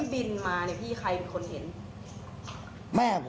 บินมาให้ไหนคนเห็น